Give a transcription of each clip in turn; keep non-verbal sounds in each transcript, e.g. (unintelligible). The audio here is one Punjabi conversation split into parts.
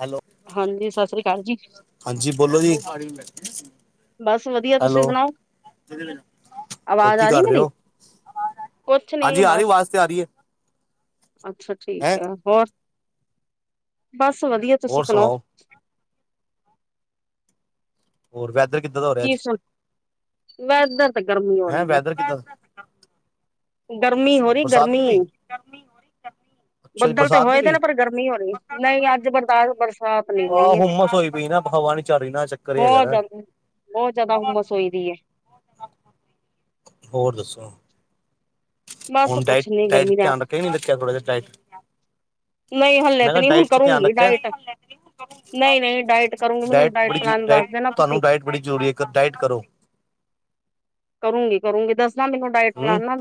ਹੈਲੋ ਹਾਂਜੀ ਸਤਿ ਸ੍ਰੀ ਅਕਾਲ ਜੀ ਹਾਂਜੀ ਬੋਲੋ ਜੀ ਬਸ ਵਧੀਆ ਹੈਲੋ ਤੁਸੀਂ ਸੁਣਾਓ ਹੋਰ ਅਵਾਜ਼ ਕੀ ਆ ਰਹੀ ਕਰ ਰਹੇ ਮੇਰੀ ਹੋ ਕੁਛ ਨੀ ਹਾਂਜੀ ਆ ਰਹੀ ਬਸ ਆਵਾਜ਼ ਤੇ ਆ ਰਹੀ ਹੈ ਅੱਛਾ ਠੀਕ ਹੈਂ ਹੈ ਹੋਰ ਬਸ ਵਧੀਆ ਤੁਸੀਂ ਸੁਣਾਓ ਹੋਰ ਵੈਦਰ ਕਿੱਦਾਂ ਦਾ ਹੋ ਕੀ ਰਿਹਾੱਜ ਸੁਣ ਵੈਦਰ ਤਾਂ ਗਰਮੀ ਹੋ ਹੈਂ ਰਹੀ ਹੈ, ਵੈਦਰ ਕਿੱਦਾਂ ਅੱਛਾ ਗਰਮੀ ਹੋ ਰਹੀ ਬਰਸਾਤ ਗਰਮੀ ਨੀ ਪਈ ਅੱਛਾ ਜੀ ਬੱਦਲ ਤਾਂ ਬਰਸਾਤ ਨੀ ਹੋਏ ਤੇ ਪਈ ਨਾ ਪਰ ਗਰਮੀ ਹੋਣੀ ਨਹੀਂ ਅੱਜ ਬਰਦਾਸ਼ ਬਰਸਾਤ ਨਹੀਂੀ ਹੋਈ ਹੈ ਝਾਰੀਨਾ ਚੱਕਰ ਹੀ ਹੈਗਾ ਬਹੁਤ ਨਾ ਜ਼ਿਆਦਾ ਬਹੁਤ ਜ਼ਿਆਦਾ ਹੁੰਮਸ ਹੋਈ ਦੀ ਹੈ, ਹੋਰ ਦੱਸੋ ਬਸ ਹੁਣ ਡਾਇਟ ਕੁਛ ਨੀ ਡਾਇਟ ਗਰਮੀ ਦਾ ਧਿਆਨ ਰੱਖੇੀਿਆ ਥੋੜ੍ਹਾ ਜਿਹਾ ਡਾਇਟ ਨਹੀਂ ਹਲੇ ਮੈਂ ਤੇ ਕਿਹਾ ਨੀ ਹੁਣ ਡਾਇਟ ਚ ਧਿਆਨ ਕਰੂੰਗੀ ਰੱਖਿਆ ਡਾਇਟ ਨਹੀਂ ਨਹੀਂ ਡਾਇਟ ਕਰੂੰਗੀ ਮੈਨੂੰ ਡਾਇਟ ਬੜੀਰ ਪਲਾਨ ਡਾਇ ਦੱਸ ਦੇਣਾ ਤੁਸੀਂ ਤੁਹਾਨੂੰ ਡਾਇਟ ਬੜੀ ਜ਼ਰੂਰੀ ਹੈ ਡਾਇਟ ਕਰੋ ਕਰੂੰਗੀ ਕਰੂੰਗੀ ਦੱਸਦਾ ਮੈਨੂੰ ਡਾਇਟ ਹੂੰ ਪਲਾਨ ਨਾ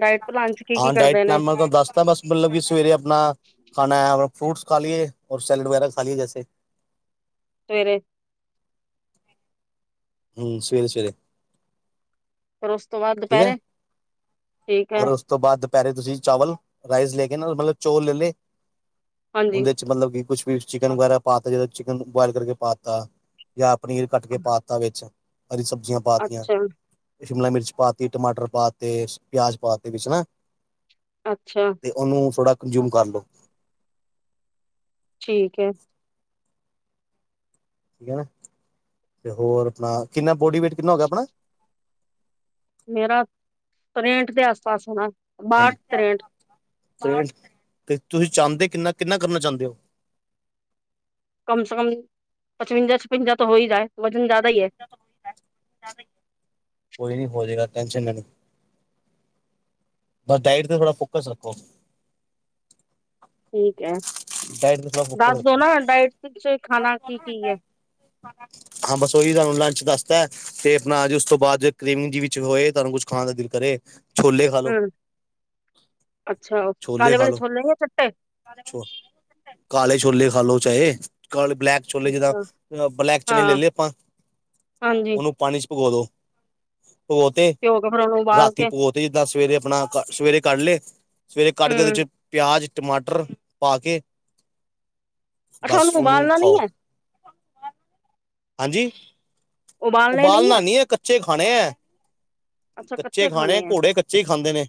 ਡਾਇਟ ਪਲਾਨ ਚ ਕੀ ਕੀ ਕਰਦੇ ਨੇ ਦੱਸਦਾ ਬਸ ਮਤਲਬ ਕਿ ਸਵੇਰੇ ਆਪਣਾ ਖਾਣਾ ਹੈ ਫਰੂਟਸ ਖਾ ਲਈਏ ਰ ਸੈਲਡ ਵਗੈਰਾ ਖਾ ਲਈਏ ਜੈਸੇ ਸਵੇਰੇ ਹਮ ਸਵੇਰੇ ਸਵੇਰੇ ਫਿਰ ਉਸ ਤੋਂ ਬਾਅਦ ਠੀਕ ਹੈ ਦੁਪਹਿਰੇ ਠੀਕ ਹੈ, ਔਰ ਉਸ ਤੋਂ ਬਾਅਦ ਦੁਪਹਿਰੇ ਤੁਸੀਂ ਚਾਵਲ ਰਾਈਸ ਲੈ ਕੇ ਨਾ ਮਤਲਬ ਚੋਲ ਲੈ ਲਏ ਹਾਂਜੀ ਉਹਦੇ ਚ ਮਤਲਬ ਕਿ ਕੁਛ ਵੀ ਚਿਕਨ ਵਗੈਰਾ ਪਾ ਤਾ ਜਦੋਂ ਚਿਕਨ ਬੁਆਇਲ ਕਰਕੇ ਪਾ ਤਾ ਜਾਂ ਪਨੀਰ ਕੱਟ ਕੇ ਪਾਤਾਾ ਵਿੱਚ ਹਰੀ ਸਬਜ਼ੀਆਂ ਪਾਤੀਆਂ ਅੱਛਾ ਸ਼ਿਮਲਾ ਮਿਰਚ ਪਾਤੀ ਟਮਾਟਰ ਪਾ ਤੇ ਪਿਆਜ਼ ਪਾ ਤੇ ਵਿੱਚ ਹਨਾ ਅੱਛਾ ਤੇ ਉਹਨੂੰ ਥੋੜਾ ਕੰਜਿਊਮ ਕਰ ਲੋ ਠੀਕ ਏ ਠੀਕ ਹੈ ਨਾ ਤੇ ਹੋਰ ਆਪਣਾ ਕਿੰਨਾ ਬੋਡੀ ਵੇਟ ਕਿੰਨਾ ਹੋ ਗਿਆ ਆਪਣਾ ਮੇਰਾ ਤੇਟ ਦੇ ਆਸ ਪਾਸ ਹੋਣਾ ਬਾਾਹਟ ਹਾਂਜੀ ਤੇਂਟ ਤੇ ਤੁਸੀਂ ਚਾਹੁੰਦੇ ਕਿੰਨਾ ਕਿੰਨਾ ਕਰਨਾ ਚਾਹੁੰਦੇ ਹੋ ਕਮ ਸੇ ਕਮ ਪਚਵੰਜਾ ਛਪੰਜਾ ਤੋਂ ਹੋ ਹੀ ਰਏ ਕੋਈ ਨੀ ਹੋਜਗਾ ਟੈਂਸ਼ਨ ਲੈ ਬਸ ਡਾਇਟ ਤੇ ਥੋੜ੍ਹਾ ਫੋਕਸ ਰੱਖੋ ਠੀਕ ਹੈ ਡਾਇਟ ਤੇ ਥੋੜਾ ਫੋਕਸ ਦੱਸ ਦੋ ਰੱਖੋ ਨਾ ਡਾਇਟ ਸ ਖਾਣਾ ਕੀ ਕੀ ਹੈ ਹਾਂ ਹਾਂ ਬਸ ਉਓਹੀ ਤੁਹਾਨੂੰ ਲੰਚ ਦੱਸਦਾ ਤੇ ਆਪਣਾ ਉਸ ਤੋਂ ਬਾਅਦ ਕੀਮਿੰਗ ਜ ਵਿੱਚ ਹੋਏ ਤੁਹਾਨੂੰ ਕੁਛ ਖਾਣ ਦਾ ਦਿਲ ਕਰੇ ਛੋਲੇ ਖਾ ਲੋ ਹਮ ਅੱਛਾ ਉਹ ਛੋਲੇ ਕਾਲੇ ਖਾ ਵਾਲੇ ਲੋ ਛੋਲੇ ਹੈ ਚਟੇ (unintelligible) ਕਾਲੇ ਛੋਲੇ ਖਾ ਲੋ ਚਾਹੇ ਕਾਲੇ ਬਲੈਕ ਛੋਲੇ ਜਿੱਦਾਂ ਅੱਛਾ ਬਲੈਕ ਚਣੇ ਲੈ ਹਾਂ ਲਏ ਆਪਾਂ ਹਾਂਜੀ ਉਹਨੂੰ ਪਾਣੀ ਚ ਭਕਾ ਦੋ, ਉਹ ਉਹਤੇ ਗਾ ਫ ਨੂੰ ਰਾਤੀ ਪਕ ਤੇ ਜਿੱਦਾਂ ਸਵੇਰੇ ਆਪਣਾ ਸਵੇਰੇ ਕੱਢ ਲਏ ਸਵੇਰੇ ਕੱਢ ਕੇ ਉਹਦੇ ਹਮ ਚ ਪਿਆਜ਼ ਟਮਾਟਰ ਪਾ ਕੇ ਅੱਛਾ ਬਸ ਉਹਨੂੰ ਉਬਾਲਣਾ ਨਹੀਂ ਖਾਓ ਹੈ ਹਾਂਜੀ ਉਬਾਲਣੇ ਨਹੀਂ ਉਬਾਲਣਾੀ ਹੈ ਕੱਚੇ ਖਾਣੇ ਹੈ ਕੱਚੇ ਖਾਣੇ ਘੋੜੇ ਕੱਚੇ ਹੀ ਖਾਂਦੇ ਨੇ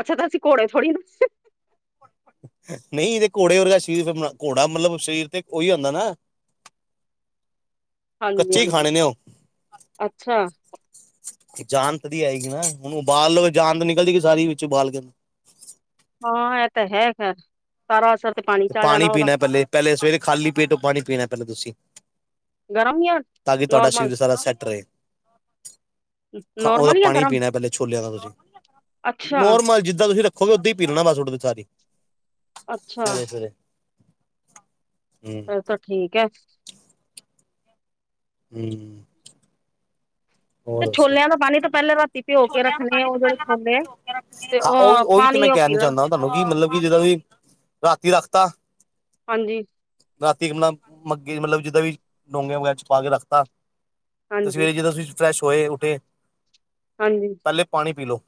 ਅੱਛਾ ਤਾਂਸੀ ਘੋੜੇ ਥੋੜੀ ਦ ਨਹੀਂ ਤੇ ਘੋੜੇ ਵਰਗਾ ਸਰੀਰ ਘੋੜਾ ਮਤਲਬ ਸਰੀਰ ਤੇ ਉਹੀ ਹੁੰਦਾ ਨਾ ਹਾਂਜੀ ਕੱਚੇ ਹੀ ਹਾਂਜੀ ਖਾਣੇ ਨੇ ਉਹ ਅੱਛਾ ਜਾਣਤ ਦੀ ਆਏਗੀ ਨਾ ਹੁਣ ਉਬਾਲਓ ਜਾਨ ਤੋਂ ਨਿਕਲਦੀ ਸਾਰੀ ਵਿੱਚ ਬਬਾਲ ਕੇ ਹਾਂ ਇਹ ਤਾਂ ਹੈਗਾ ਸਾਰਾ ਅਸਰ ਤੇ ਪਾਣੀ ਤੇ ਪਾਣੀ ਪੀਣਾ ਪਹਿਲੇ ਪਹਿਲੇ ਸਵੇਰੇ ਖਾਲੀ ਪੇਟ ਤੋਂ ਪਾਣੀ ਪੀਣਾ ਪਹਿਲੇਾਂ ਤੁਸੀਂ ਗਰਮ ਹੀ ਤਾਂ ਕਿ ਤੁਹਾਡਾ ਸਰੀਰ ਸਾਰਾ ਸੈੱਟ ਰਹੇ ਉਹਦਾ ਨੋਰਮਲ ਜਾਂ ਪਾਣੀ ਗਰਮ ਪੀਣਾ ਪਹਿਲਲੇ ਛੋਲਿਆਂ ਦਾ ਤੁਸੀਂ ਅੱਛਾ ਨੋਰਮਲ ਜਿੱਦਾਂ ਤੁਸੀਂ ਰ ਵੀ ਓਦਾਂ ਹੀ ਪੀਰਣਾ ਬਸ ਉੱਡ ਸਾਰੀ ਅੱਛਾ ਸਵੇਰੇ ਸਵੇਰੇ ਹ ੋ ਠੀਕ ਹੈ ਹਮ ਤੇ ਛੋਲਿਆਂ ਦਾ ਪਾਣੀ ਤਾਂ ਪਹਿਲਾਂ ਰਾ ਛੋਲਿਆਂ ਨੂੰਹਿ ਤੇ ਹਾਂਹੀ ਉਹ ਉਹੀ ਪਾਣੀ ਮੈਂ ਉਹ ਪੀ ਕਹਿ ਲੈਣਾ ਚਾਹੁੰਦਾ ਤੁਹਾਨੂੰ ਕੀ ਮਤਲਬ ਕਿ ਜਿੱਦਾਂਸੀ ਰਾਤੀ ਰੱਖਤਾ ਹਾਂਜੀ ਰਾਤੀ ਆਪਣਾ ਮੱਗੇ ਮਤਲਬ ਜਿੱਦਾਂ ਵੀ ਡੋਂਗੀਆਂ ਵਗੈਰਾ ਚ ਪਾ ਕੇ ਰੱਖਤਾ ਹਾਂਜੀ ਤਸਵੇਰੇ ਜਿਦੋਂ ਤੁਸੀਂ ਫਰੈਸ਼ ਹੋਏ ਉੱਠੇ ਹਾਂਜੀ ਪਹਿਲੇ ਪਾਣੀ ਪੀ ਲਉ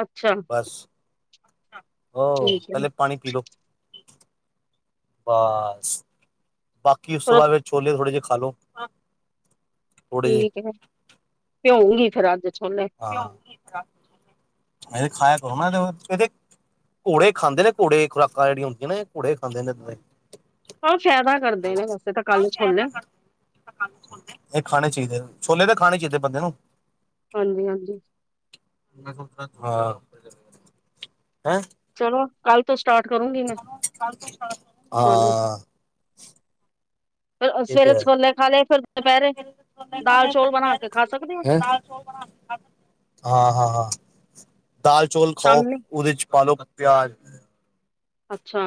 ਅੱਛਾ ਬ ਉਹ ਠੀਕ ਹੈ ਪੇ ਪਾਣੀ ਪੀ ਲੋਓ ਬਸ ਕਿ ਉਸ ਤੋਂ ਚਲੋ ਬਾਅਦ ਫਿਰ ਛੋਲੇ ਥੋੜੇ ਜਿਹੇ ਖਾ ਲੋ ਥੋੜੇ ਜਿਹੇ ਠੀਕ ਫ ਭਿਊਂਗੀ ਫੇਰ ਅੱਜ ਛੋਲੇ ਹਾਂ ਖਾਇਆ ਕਰੋ ਨਾ ਘੋੜੇ ਖਾਂਦੇ ਘੜੇ ਖੁਰਾਕਾਂ ਜਿੜੀਆਂੁੰਦੀ ਨੇ ਘੜ ਖਾਂਦੇ ਨੇ ਉਹ ਫਾਇਦਾ ਕਰਦੇ ਨੇ ਵੈਸੇ ਤਾਂ ਕਾਲਜ ਖੋਲੇ ਇਹ ਖਾਣੇ ਚਾਹੀਦੇ ਛੋਲੇ ਦੇ ਖਾਣੇ ਚਾਹੀਦੇ ਬੰਦੇ ਨੂੰ ਹਾਂਜੀ ਹਾਂਜੀ ਹਾਂ ਹੈਂ ਚਲੋ ਕੱਲ ਤੋਂ ਸਟਾਰਟ ਕਰੂਗੀ ਮੈਂ ਹ ਹਾਂ ਫ ਫਿਰ ੋਲੇ ਖਾ ਲਏ ਫਿਰ ਦੁਪਹਿਰੇ ਸੋਨੇ ਦਾਲ ਖਾਣੇ ਫਰ ਚੌਲ ਬਣਾ ਕੇ ਖਾ ਸਕਦੇ ਹੋ ਦੁਹਿਰੇ ਨਾਲੋ ਬਣਾਦੇ ਹਾਂ ਹਾਂ ਹਾਂ ਦਾਲ ਚੌਲ ਖਾਓ ਸ਼ਾਮੀ ਉਹਦੇ ਚ ਪਾ ਲੋ ਪਿਆਜ ਅੱਛਾ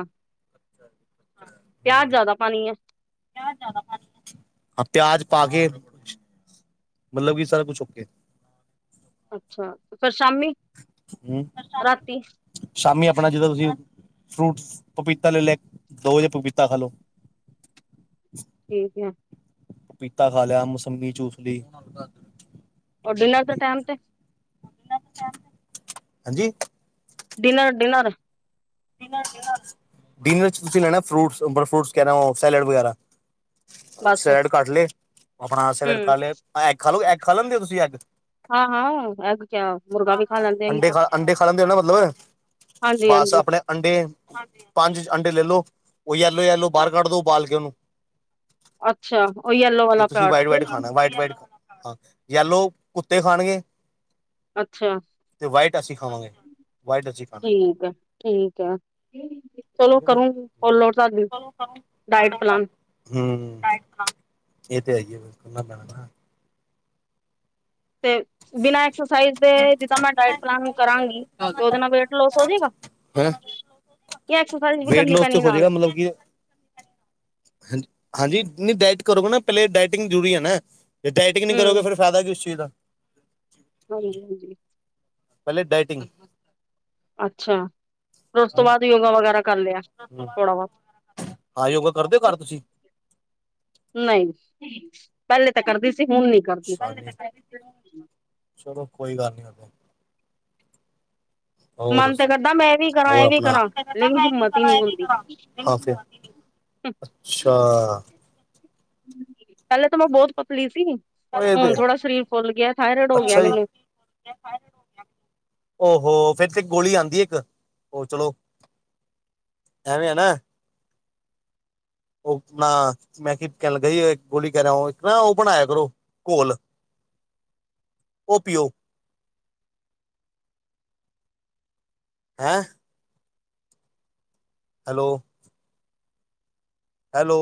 ਪਿਆਜ਼ ਜਿਆਦਾ ਪਾਣੀ ਹੈ ਾਂ ਪਿਆਜ ਪਾ ਕੇ ਮਤਲਬ ਕਿ ਸਾਰਾ ਕੁੱਛ ੇ ਅੱਛਾ ਫਿਰ ਸ਼ਾਮੀ ਹ ਰਾਤੀ ਸ਼ ਸ਼ਾਮੀ ਆਪਣਾ ਜਿੱਦੋਂ ਤੁਸੀਂ ਫਰੂਟ ਪਪੀਤਾ ਲੈ ਲਿਆ ਦੋ ਜੇ ਪਪੀਤਾ ਖਾ ਲਓ ਠੀਕ ਏ ਪਪੀਤਾ ਖਾ ਲਿਆ ਮੋਸੰਮੀ ਚੂਸ ਲਈ ਰ ਡਿਨਰ ਦੇ ਟਾਈਮ ਤੇ ਹਾਂਜੀ ਡਨਰ ਡਨਰ ਡਿਨਰ ਚ ਤੁਸੀਂ ਲੈਣਾ ਫਰੂਟ ਫਰੂਟ ਕਹਿ ਸੈਲਡ ਵਗੈਰਾ ਬਸ ਸੈਲਡ ਕੱਟ ਲੈ ਆਪਣਾ ਸੈਲਡ ਹਮ ਖਾ ਲਿਆ ਐਗ ਖਾ ਲ ਐਗ ਖਾ ਲੈਂਦੇ ਹੋ ਤੁਸੀਂ ਐੱਗ ਹਾਂ ਹਾਂ ਹੈ ਕ ਮੁਰਗਾ ਵੀ ਖਾ ਲੈਂਦੇ ਅਸੀਂ ਅੰਡੇ ਤਾਂ ਖਾ ਅੰਡੇ ਖਾ ਲੈਂਦੇ ਹੋ ਨਾ ਮਤਲਬ ਹਾਂਜੀ ਬਸ ਹਾਂਜੀ ਆਪਣੇ ਅੰਡੇ ਪੰਜ ਅੰਡੇ ਲੈ ਲੋ ਉਹ ਆਲੋ ਯਲੋ ਬਾਹਰ ਕੱਢ ਦੋ ਉਬਾਲ ਕੇ ਉਹਨੂੰ ਅੱਛਾ ਉਹ ਯਲੋ ਤੇ ਵਾਲਾ ਤੁਸੀਂ ਪੈਠ ਵਾਈਟ ਵਾਈਟ ਖਾਣਾ ਵਾਈਟ ਵਾਈਟ ਹਾਂ ਯੈਲੋ ਕੁੱਤੇ ਖਾਣਗੇ ਅੱਛਾ ਤੇ ਵਾਈਟ ਅਸੀਂ ਖਾਵਾਂਗੇ ਵਾਈਟ ਅਸੀਂ ਖਾਣਾਗੇ ਠੀਕ ਆ ਠੀਕ ਹੈ ਚਲੋ ਠੀਕ ਹੈ ਨਾ ਕਰੂੰ ਫੋਲ ਲੋ ਤੁਡੀ ਡਾਇਟ ਪਲਾਨ ਹਮ ਇਹ ਤੇ ਹੈਗੀਏਨਾ ਪੈਣਾ ਨਾ ਤੇ ਬਿਨਾਂ ਐਕਸਰਸਾਈਜ਼ ਦੇ ਜਿੱਦਾਂ ਮੈਂ ਡਾਇਟ ਪਲਾਨ ਕਰਾਂਗੀ ਤੇ ਉਹਦੇ ਨਾਲ ਵੇਟ ਲੋਸ ਹੋ ਜਾੇਗਾ ਹੈਂ ਵੀ ਵੇਟ ਕਰਨੀ ਲੋਸ ਤੇ ਪੈਣੀ ਨਾਲ ਹੋਜਏਗਾ ਮਤਲਬ ਕਿ ਹਾਂਜੀ ਹਾਂਜੀ ਨ ਡਾਇਟ ਕਰੋਗੇ ਨਾ ਪਹਿਲੇ ਡਾਇਟਿੰਗ ਜ਼ਰੂਰੀ ਹੈ ਨਾ ਜ ਡਾਇਟਿੰ ਨਹੀਂ ਕਰੋਗੇ ਹਮ ਫਿਰ ਫਾਇਦਾ ਕੀ ਉਸ ਚੀਜ਼ ਦਾ ਹਾਂਜੀ ਹਾਂਜੀ ਪਹਿਲੇ ਡਾਇਟਿੰਗ ਅੱਛਾ ਫਿਰ ਉਸ ਤੋਂ ਬਾਅਦ ਯੋਗਾ ਵਗੈਰਾ ਕਰ ਲਿਆ ਥੋੜਾ ਬਹੁਤ ਹਾਂ ਯੋਗਾ ਕਰਦੇਓ ਘਰ ਤੁਸੀਂ ਨਹੀਂ ਪਹਿਲੇ ਤਾਂ ਕਰਦੀ ਸੀ ਹੁਣ ਨੀ ਕਰਦੀ ਚਲੋ ਕੋਈ ਗੱਲ ਨੀ ਉੇ ਹੋਰ ਮਨ ਤੇ ਦੱਸੋ ਕਰਦਾ ਮੈਂ ਇਹ ਵੀ ਕਰਾਂ ਇਹ ਵੀ ਹੋਰਣਾ ਕਰਾਂ ਲੇਕਿਨ ਹਿੰਮਤ ਹੀ ਨਹੀਂ ਹੁੰਦੀ ਅੱਛਾ ਪਹਿਲੇ ਤਾਂ ਮੈਂ ਬਹੁਤ ਪਤਲੀ ਸੀ ਇਹ ਤੇ ਹੁਣ ਥੋੜਾ ਸਰੀਰ ਫੁੱਲ ਗਿਆ ਥਾਇਰੋਇਡ ਹੋ ਗਿਆ ਮੈਨੂੰ ਹੋ ਫੇਿਰ ਤੇ ਗੋਲੀ ਆਉਂਦੀ ਇੱਕ ਉਹ ਚਲੋ ਐਵੇ ਨਾ ਉਹ ਨਾ ਮੈਂ ਕਿਹਾ ਕਹਿਣ ਲੱਗਾ ਗੋਲੀ ਕਰਿਆ ਇੱਕ ਨਾ ਉਹ ਬਣਾ ਆਇਆ ਕਰੋ ਘੋਲ ਪੀਓ ਹੈਂ ਹੈਲੋ ਹੈਲੋ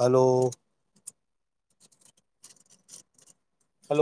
ਹੈਲੋ ਹੈਲੋ